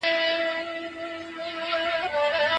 تعصب د زور او تشدد لاره هواروي